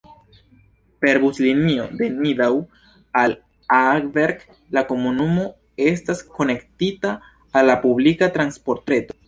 Per buslinio de Nidau al Aarberg la komunumo estas konektita al la publika transportreto.